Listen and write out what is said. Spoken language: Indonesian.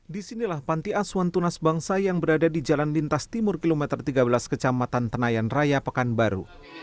disinilah panti asuhan tunas bangsa yang berada di jalan lintas timur kilometer tiga belas kecamatan tenayan raya pekanbaru